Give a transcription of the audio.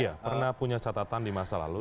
iya pernah punya catatan di masa lalu